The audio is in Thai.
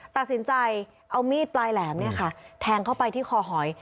ตัดสินใจเอามีดปลายแหลมแทงเข้าไปที่คอหอย